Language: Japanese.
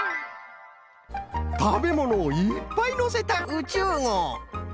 たべものをいっぱいのせた「宇宙号」。